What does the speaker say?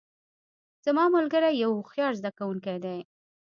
زما ملګری یو هوښیار زده کوونکی ده